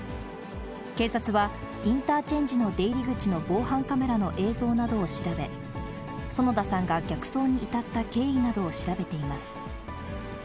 警察は、インターチェンジの出入り口の防犯カメラの映像などを調べ、園田さんが逆走に至った経緯などを調べています。